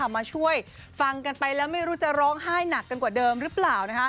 มาช่วยฟังกันไปแล้วไม่รู้จะร้องไห้หนักกันกว่าเดิมหรือเปล่า